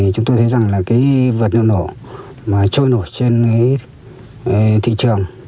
chúng tôi thấy rằng vật liệu nổ trôi nổ trên thị trường